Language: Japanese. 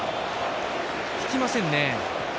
引きませんね。